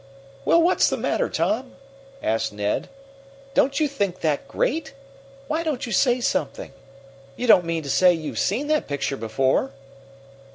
"Well, what's the matter, Tom?" asked Ned. "Don't you think that great? Why don't you say something? You don't mean to say you've seen that picture before?"